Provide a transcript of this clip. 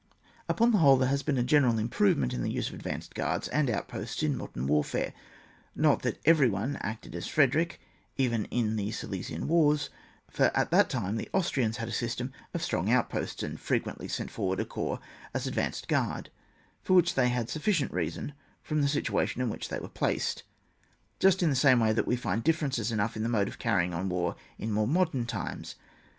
Upon the whole, there has been a gener^ improvement in the use of advanced guards and out posts in modem wars ; not that every one acted as Frederick, even in the Silesian wars, for at that time the Austrians had a system of strong out posts, and frequently sent forward a corps as advanced guard, for which they had sufficient reason from the situation in which they were placed. Just in the same way we find differences enough in the mode of carrying on war in more modem times.